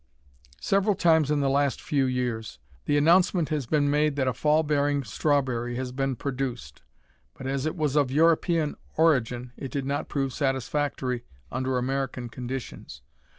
Several times in the last few years the announcement has been made that a fall bearing strawberry has been produced, but as it was of European origin it did not prove satisfactory under American conditions.